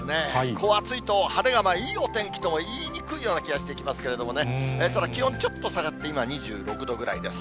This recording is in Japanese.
こう暑いと、晴れがいいお天気とも言いにくいような気がしてきますけどもね、ただ、気温ちょっと下がって今、２６度ぐらいです。